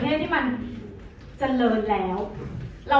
อ๋อแต่มีอีกอย่างนึงค่ะ